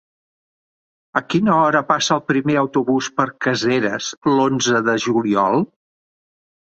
A quina hora passa el primer autobús per Caseres l'onze de juliol?